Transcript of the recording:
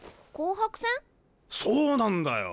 そうなんだよ！